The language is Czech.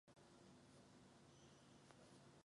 Ve Vídni se naplno zapojil do literárního života.